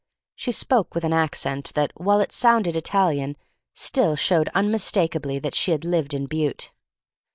She spoke with an accent that, while it sounded Italian, still showed unmistakably that she had lived in Butte.